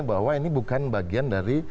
bahwa ini bukan bagian dari